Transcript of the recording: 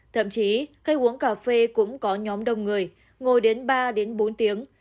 thậm chí cây uống cà phê cũng có nhóm đông người ngồi đến ba bốn tiếng